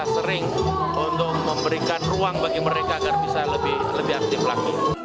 sering untuk memberikan ruang bagi mereka agar bisa lebih aktif lagi